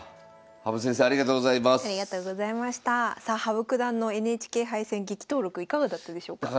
羽生九段のＮＨＫ杯戦激闘録いかがだったでしょうか？